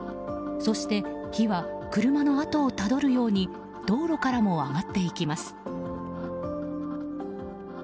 そして火は車のあとをたどるように道路からも上がっていきます。